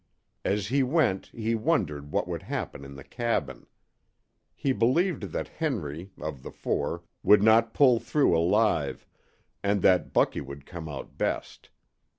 As he went he wondered what would happen in the cabin. He believed that Henry, of the four, would not pull through alive, and that Bucky would come out best.